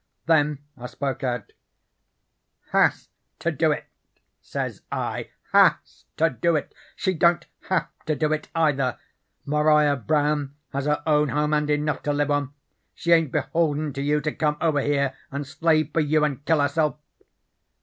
"Then I spoke out: 'Has to do it I' says I. 'Has to do it!' She don't have to do it, either. Maria Brown has her own home and enough to live on. She ain't beholden to you to come over here and slave for you and kill herself.'